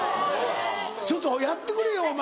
ちょっとやってくれよお前。